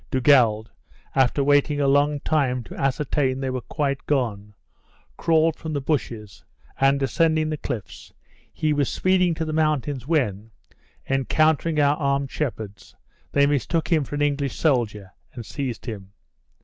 Dugald, after waiting a long time to ascertain they were quite gone, crawled from the bushes, and, ascending the cliffs, he was speeding to the mountains, when, encountering our armed shepherds, they mistook him for an English soldier, and seized him.